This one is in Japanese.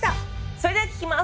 それでは聞きます。